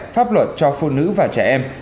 pháp luật cho phụ nữ và trẻ em